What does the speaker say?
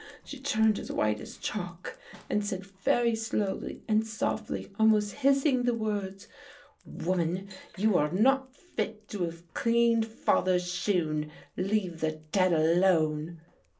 She turned as white as chalk and said very slowly and softly, almost hissing the words; 'Woman, you are not fit to have cleaned father's shoon. Leave the dead alone.